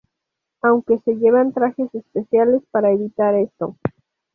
Aunque se llevan trajes especiales para evitar esto.